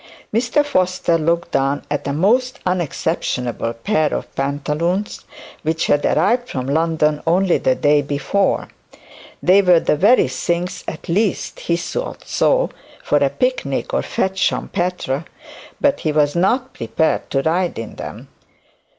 Mr Foster looked down at a most unexceptionable pair of pantaloons, which had arrived from London only the day before. They were the very things, at least he thought so, for a picnic of fete champetre; but he was not prepared to ride in them.